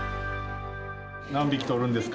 何匹捕るんですか？